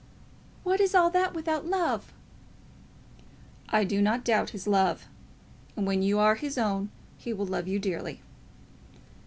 "What is all that without love?" "I do not doubt his love. And when you are his own he will love you dearly."